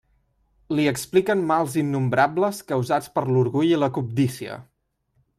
Li expliquen mals innombrables causats per l'orgull i la cobdícia.